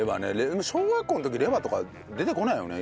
でも小学校の時レバーとか出てこないよね？